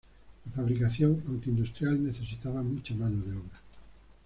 La fabricación, aunque industrial, necesitaba mucha mano de obra.